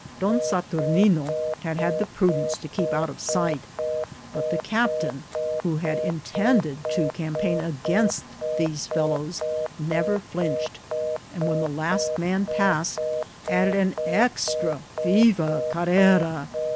Don Saturnine had had the prudence to keep out of sight ; but the captain, who had intended to campaign against these fellows, never flinched, and when the last man passed added an extra " Viva Carrera."